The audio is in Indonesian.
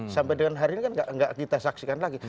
sampai dengan hari ini kan tidak kita saksikan lagi